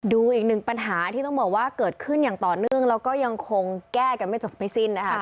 ดูอีกหนึ่งปัญหาที่ต้องบอกว่าเกิดขึ้นอย่างต่อเนื่องแล้วก็ยังคงแก้กันไม่จบไม่สิ้นนะคะ